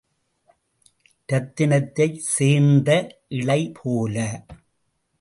இரத்தினத்தைச் சேர்ந்த இழை போல.